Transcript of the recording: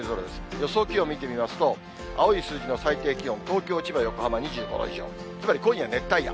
予想気温見てみますと、青い数字が最低気温、東京、千葉、横浜２５度以上、つまり今夜、熱帯夜。